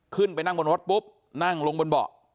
ขึ้นไปนั่งบนรถปุ๊บนั่งลงบนเบาะ